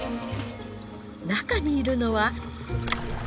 中にいるのは。